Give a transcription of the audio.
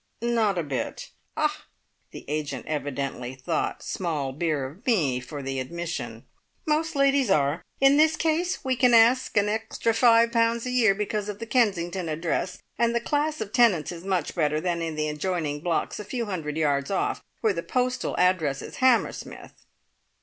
"Not a bit." "Ah!" The agent evidently thought small beer of me for the admission. "Most ladies are. In this case we can ask an extra five pounds a year because of the Kensington address, and the class of tenants is much better than in the adjoining blocks a few hundred yards off, where the postal address is Hammersmith."